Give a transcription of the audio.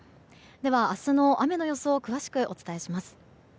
では明日の雨の予想を詳しくお伝えします。